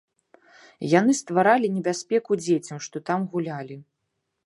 Яны стваралі небяспеку дзецям, што там гулялі.